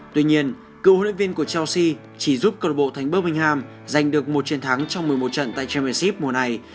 tuy nhiên cựu huấn luyện viên của chelsea chỉ giúp cơ bộ thánh bơ minh ham giành được một chiến thắng trong một mươi một trận tại champions league mùa này